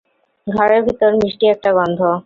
ঘরের ভেতর মিষ্টি একটা গন্ধ।